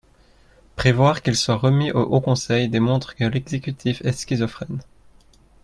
Prévoir qu’il soit remis au Haut Conseil démontre que l’exécutif est schizophrène